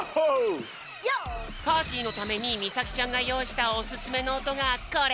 パーティーのためにみさきちゃんがよういしたオススメのおとがこれ！